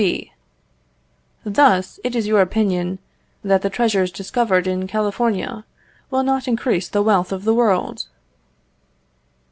B. Thus, it is your opinion that the treasures discovered in California will not increase the wealth of the world?